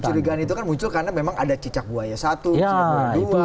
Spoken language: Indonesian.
kecurigaan itu kan muncul karena memang ada cicak buaya satu cicak buaya dua